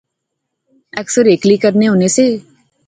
اکثر ہیکلی کرنے ہونے سے